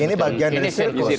ini bagian dari sirkus